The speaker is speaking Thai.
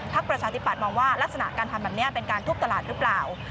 ประชาธิปัตยมองว่าลักษณะการทำแบบนี้เป็นการทุบตลาดหรือเปล่า